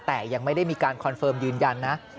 แต่ยังไม่ได้มีการคอนเฟิร์มยืนยันนะ